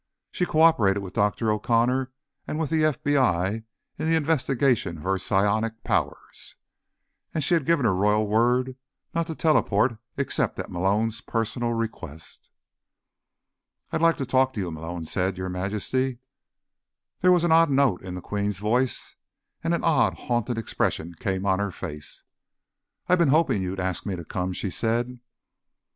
She co operated with Dr. O'Connor and with the FBI in the investigation of her psionic powers, and she had given her Royal word not to teleport except at Malone's personal request. "I'd like to talk to you," Malone said, "Your Majesty." There was an odd note in the Queen's voice, and an odd, haunted expression on her face. "I've been hoping you'd ask me to come," she said.